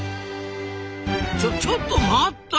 ちょちょっと待った！